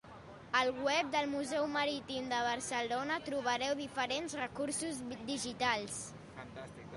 Al web del Museu Marítim de Barcelona trobareu diferents recursos digitals.